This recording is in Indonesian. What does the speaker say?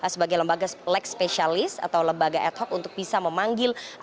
sebagai lembaga leg spesialis atau lembaga ad hoc untuk bisa memanggil